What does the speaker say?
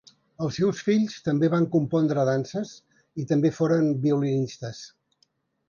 Els seus fills també van compondre danses i també foren violinistes.